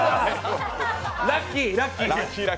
ラッキー、ラッキー。